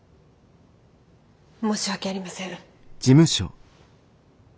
申し訳ありません。